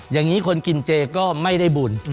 อย่างนี้คนกินเจก็ไม่ได้บุญ